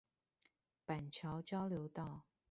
板橋交流道